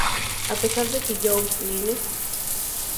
A pesar de que "Whose Line?